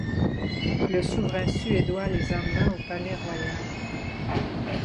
Le souverain suédois les emmena au palais royal.